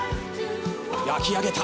焼き上げた。